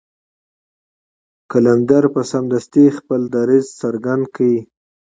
قلندر به سمدستي خپل دريځ څرګند کړ.